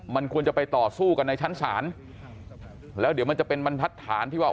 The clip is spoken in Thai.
มันควรจะไปต่อสู้กันในชั้นศาลแล้วเดี๋ยวมันจะเป็นบรรทัศนที่ว่า